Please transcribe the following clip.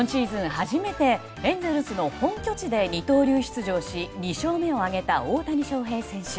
初めてエンゼルスの本拠地で二刀流で出場し２勝目を挙げた大谷翔平選手。